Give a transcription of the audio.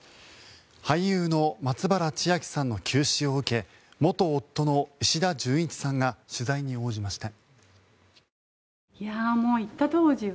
俳優の松原千明さんの急死を受け元夫の石田純一さんが取材に応じました。